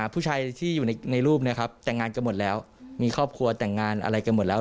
ผู้ชายที่อยู่ในรูปนะครับแต่งงานกันหมดแล้วมีครอบครัวแต่งงานอะไรกันหมดแล้ว